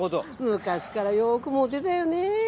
昔からよくモテたよねえ。